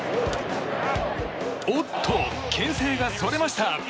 おっと、牽制がそれました。